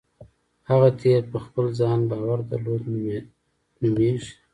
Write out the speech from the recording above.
هغه تیل په خپل ځان باور درلودل نومېږي.